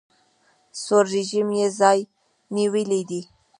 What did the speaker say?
سور رژیم یې ځای نیولی دی.